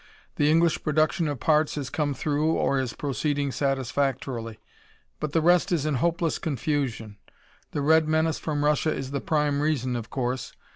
The English production of parts has come through, or is proceeding satisfactorily, but the rest is in hopeless confusion. The Red menace from Russia is the prime reason, of course.